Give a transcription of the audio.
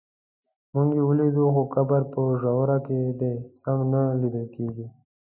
موږ یې ولیدلو خو قبر په ژورو کې دی سم نه لیدل کېږي.